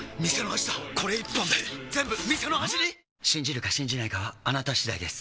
信じるか信じないかはあなた次第です